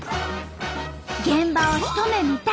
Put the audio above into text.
現場をひと目見たい！